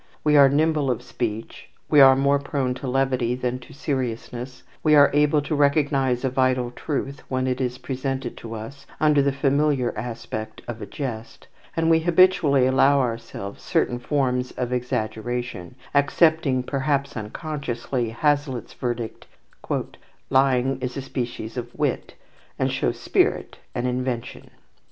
We are nimble of speech, we are more prone to levity than to seriousness, we are able to recognize a vital truth when it is presented to us under the familiar aspect of a jest, and we habitually allow ourselves certain forms of exaggeration, accepting, perhaps unconsciously, Hazlitt's verdict: "Lying is a species of wit, and shows spirit and invention."